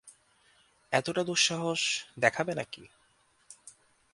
এতটা দুঃসাহস দেখাবে নাকি?